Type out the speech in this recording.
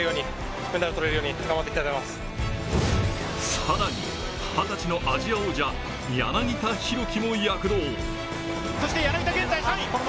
更に二十歳のアジア王者柳田大輝も躍動。